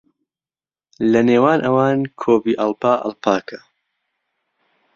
لە نێوان ئەوان کۆڤی-ئەڵپا ئەڵپاکە.